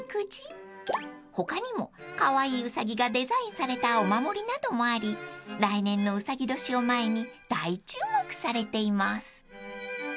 ［他にもカワイイうさぎがデザインされたお守りなどもあり来年のうさぎ年を前に大注目されています］